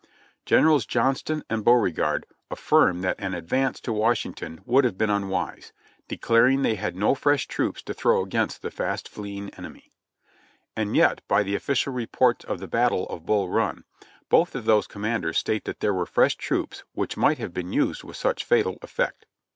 Generals Johnston and Beauregard affirm that an advance to Washington would have been unwise ; declaring they had no fresh troops to throw against the fast fleeing enemy. And yet by the official reports of the Battle of Bull Run, both of those commanders state that there were fresh troops which might have been used with such fatal effect.